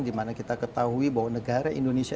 dimana kita ketahui bahwa negara indonesia